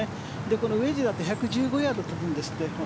このウェッジだと１１５ヤードなんですって。